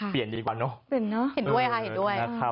เปลี่ยนดีกว่าเนอะ